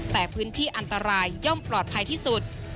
แต่พื้นที่อันตรายย่อมปลอดภัยที่สุด